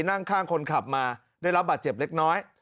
นั่งข้างคนขับมาได้รับบาดเจ็บเล็กน้อย